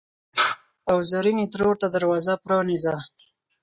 او زرینې ترور ته دروازه پرانیزه!